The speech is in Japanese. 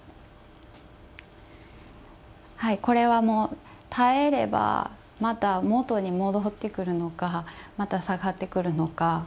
これは耐えればまた元に戻ってくるのかまた、下がってくるのか。